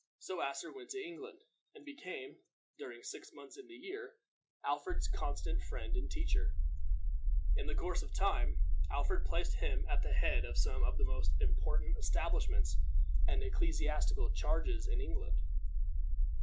So Asser went to England, and became during six months in the year Alfred's constant friend and teacher. In the course of time, Alfred placed him at the head of some of the most important establishments and ecclesiastical charges in England.